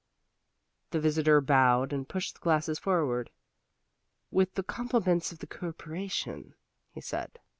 The visitor bowed and pushed the glasses forward. "With the compliments of the Corporation," he said.